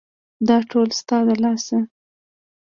_دا ټول ستا له لاسه.